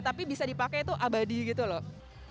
tapi bisa dipakai tuh abadi gitu loh